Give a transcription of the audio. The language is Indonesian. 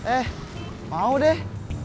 eh mau deh